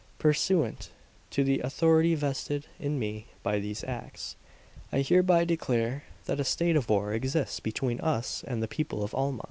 "Pursuant to the authority vested in me by these acts, I hereby declare that a state of war exists between us and the people of Alma.